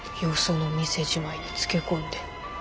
よその店じまいにつけ込んで。